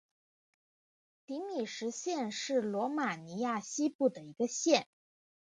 蒂米什县是罗马尼亚西部的一个县。